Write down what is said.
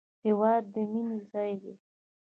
هېواد د مینې ځای دی